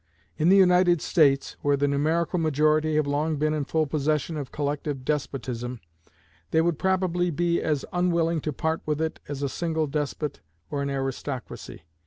In the United States, where the numerical majority have long been in full possession of collective despotism, they would probably be as unwilling to part with it as a single despot or an aristocracy.